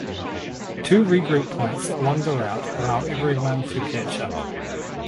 Two regroup points along the route allow everyone to catch up.